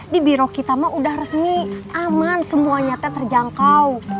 di biro kita mah udah resmi aman semuanya teh terjangkau